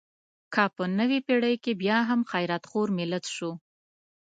که په نوې پېړۍ کې بیا هم خیرات خور ملت شو.